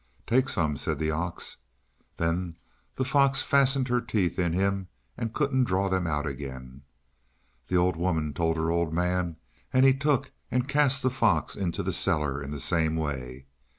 "Take some," said the ox. Then the fox fastened her teeth in him and couldn't draw them out again. The old woman told her old man, and he took and cast the fox into the cellar in the same way.